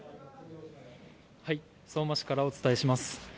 相馬市からお伝えします。